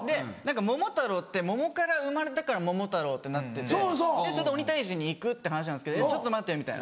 桃太郎って桃から生まれたから桃太郎ってなってて鬼退治に行くって話なんですけどちょっと待ってみたいな。